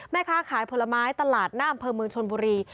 แม่ค้าขายผลไม้ตลาดหน้าอำเภอเมืองชนบุรี